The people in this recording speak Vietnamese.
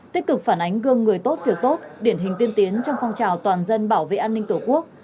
tích cực phản ánh gương người tốt việc tốt điển hình tiên tiến trong phong trào toàn dân bảo vệ an ninh tổ quốc